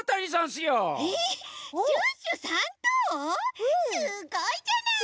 すごいじゃない！